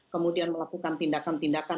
kemudian melakukan tindakan tindakan